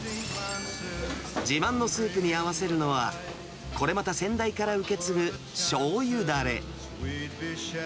自慢のスープに合わせるのは、これまた先代から受け継ぐしょうゆだれ。